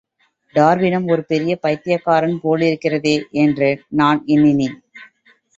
டார்வினும் ஒரு பெரிய பைத்தியக்காரன் போலிருக்கிறதே என்று நான் எண்ணினேன்.